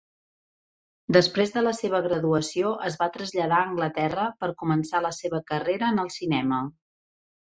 Després de la seva graduació, es va traslladar a Anglaterra per començar la seva carrera en el cinema.